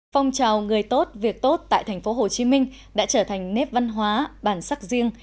phong trào người tốt việc tốt tại tp hcm đã trở thành nếp văn hóa bản sắc riêng